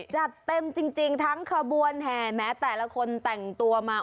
จัดเต็มจริงทั้งขบวนแห่แม้แต่ละคนแต่งตัวมา